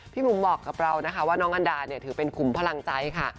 บุ๋มบอกกับเรานะคะว่าน้องอันดาเนี่ยถือเป็นขุมพลังใจค่ะ